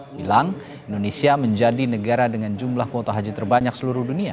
bilang indonesia menjadi negara dengan jumlah kuota haji terbanyak seluruh dunia